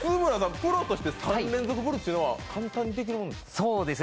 プロとして３連続ブルというのは簡単にできるんですか？